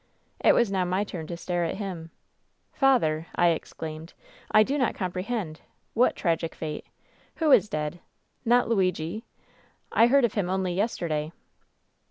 "It was now my turn to stare at him. " 'Father !' I exclaimed ; 'I do not comprehend. What tragic fate? Who is dead? Not Luigi! I heard of him only yesterday